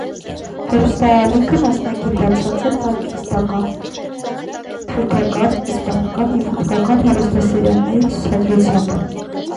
Հեռուստաալիքը մասնագիտացած է պակիստանական, թուրքական, իսպանական և հնդկական հեռուստասերիալների ցուցադրությամբ։